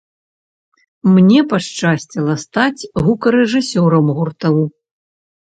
Мне пашчасціла стаць гукарэжысёрам гурту.